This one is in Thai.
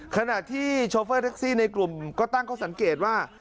ขณะที่โชเฟอร์แท็กซี่ในกลุ่มก็ตั้งข้อสังเกตว่า